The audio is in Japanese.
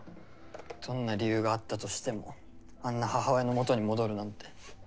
どんな理由があったとしてもあんな母親のもとに戻るなんて。